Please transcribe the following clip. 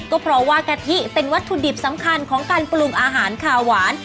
ก็เพราะว่ากะทิเป็นวัตถุดิบสำคัญของการปรุงอาหารคาหวาน